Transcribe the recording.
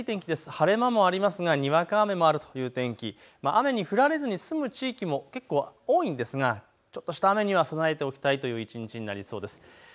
晴れ間もありますがにわか雨もあるという天気、雨に降られずに済む地域も結構多いんですがちょっとした雨には備えておきたいという一日になりそうです。